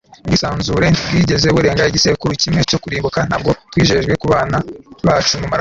ubwisanzure ntibwigeze burenga igisekuru kimwe cyo kurimbuka. ntabwo twayigejeje kubana bacu mumaraso